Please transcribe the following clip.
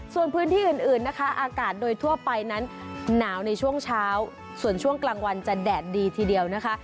ส่วนพื้นที่อื่นนะคะอากาศโดยทั่วไปนั้นหนาวในช่วงเช้าส่วนช่วงกลางวันจะแดดดีทีเดียวนะคะ